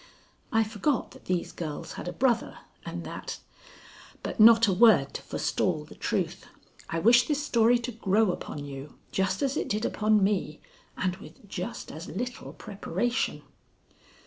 I forgot that these girls had a brother and that But not a word to forestall the truth. I wish this story to grow upon you just as it did upon me, and with just as little preparation.